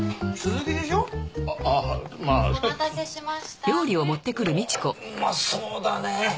おぉうまそうだね。